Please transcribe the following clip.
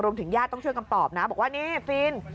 รวมถึงญาติก็ต้องช่วยกับออกบอกว่านี่ฟิล